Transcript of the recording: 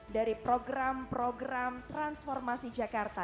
dari program program transformasi jakarta